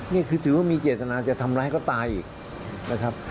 นี่คือถือว่ามีเจตนาจะทำร้ายเขาตายอีกนะครับ